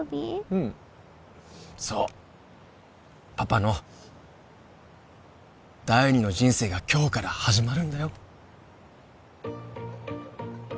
うんそうパパの第２の人生が今日から始まるんだよ